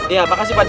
iya makasih pak d